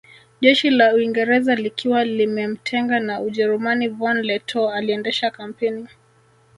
Jeshi la Uingereza likiwa limemtenga na Ujerumani von Lettow aliendesha kampeni